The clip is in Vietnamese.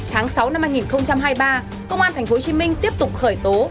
tháng sáu năm hai nghìn hai mươi ba công an tp hcm tiếp tục khởi tố